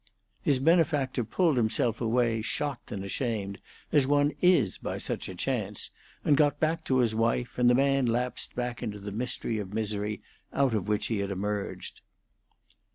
His benefactor pulled himself away, shocked and ashamed, as one is by such a chance, and got back to his wife, and the man lapsed back into the mystery of misery out of which he had emerged.